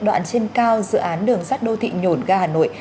đoạn trên cao dự án đường sắt đô thị nhổn ga hà nội